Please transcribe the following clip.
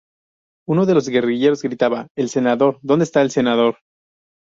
Uno de los guerrilleros gritaba "El senador... ¡dónde está el senador!?".